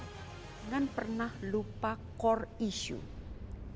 jangan pernah lupa core issue